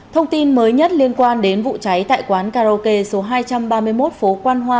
thông tin mới nhất liên quan đến vụ cháy tại quán karaoke số hai trăm ba mươi một phố quan hoa